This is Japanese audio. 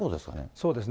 そうですね。